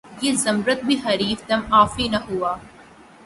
یہ زمرد بھی حریف دم افعی نہ ہوا